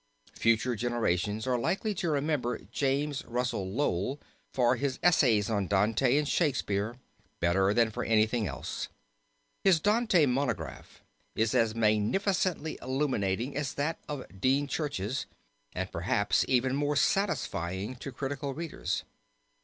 Future generations are likely to remember James Russell Lowell for his essays on Dante and Shakespeare better than for anything else. His Dante monograph is as magnificently illuminating as that of Dean Church's and perhaps even more satisfying to critical readers.